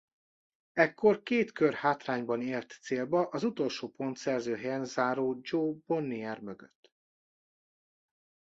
Ekkor két kör hátrányban ért célba az utolsó pontszerző helyen záró Jo Bonnier mögött.